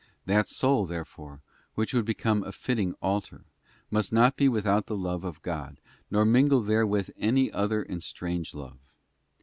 That soul, therefore, which would become a fitting altar, must not be without the love of God, nor mingle therewith any other and strange love.